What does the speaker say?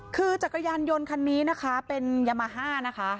คือจักรยานยนต์คันนี้นะคะเป็นยามาฮ่านะคะ